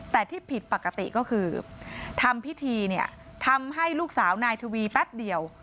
แต่ที่ผิดปกติก็คือทำพิธีเนี่ยทำให้ลูกสาวนายทวีแป๊บเดียว